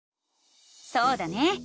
そうだね！